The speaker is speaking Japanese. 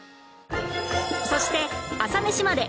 そして『朝メシまで。』